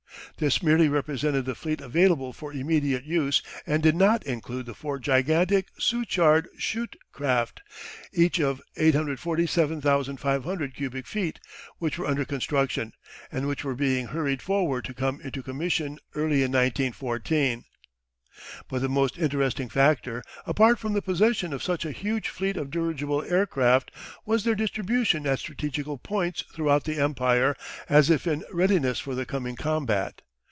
This merely represented the fleet available for immediate use and did not include the four gigantic Suchard Schutte craft, each of 847,500 cubic feet, which were under construction, and which were being hurried forward to come into commission early in 1914. But the most interesting factor, apart from the possession of such a huge fleet of dirigible air craft, was their distribution at strategical points throughout the Empire as if in readiness for the coming combat.